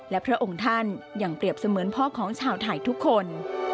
และพระองค์ท่านยังเปรียบเสมือนพ่อของชาวไทยทุกคน